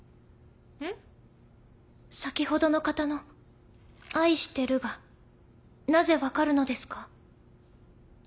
えっ？先ほどの方の「愛してる」がなぜ分かるのですか？